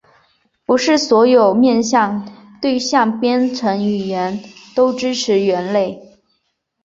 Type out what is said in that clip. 不是所有面向对象编程语言都支持元类。